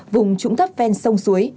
vùng trũng thấp ven sông suối